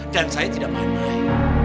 dan saya tidak pandai